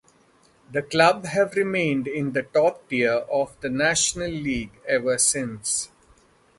The club have remained in the top tier of the National League ever since.